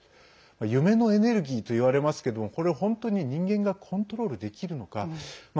夢のエネルギーといわれますけどもこれを本当に人間がコントロールできるのか。